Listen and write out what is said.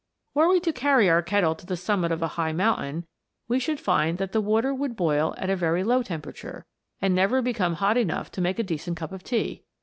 Were we to carry our kettle to the summit of a WATER BEWITCHED. 167 high mountain, we should find that the water would boil at a very low temperature, and never become hot enough to make a decent cup of tea.